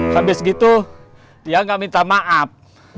habis gitu dia nggak minta maaf